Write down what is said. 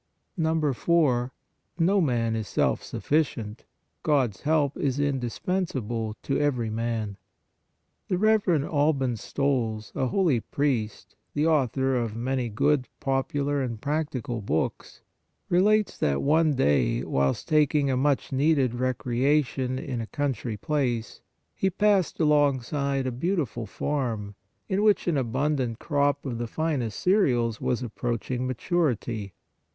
IV. No MAN Is SELF SUFFICIENT; GOD S HELP Is INDISPENSABLE TO EVERY MAN. The Rev. Al 12 PRAYER ban Stolz, a holy priest, the author of many good, popular and practical books, relates that one day, whilst taking a much needed recreation in a country place, he passed alongside a beautiful farm, in which an abundant crop of the finest cereals was approach ing maturity.